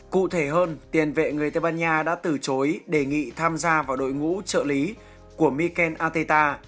cụ thể hơn tiền vệ người tây ban nha đã từ chối đề nghị tham gia vào đội ngũ trợ lý của mikel atita